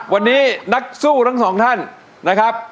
วันนี้นักสู้ทั้งสองท่านนะครับ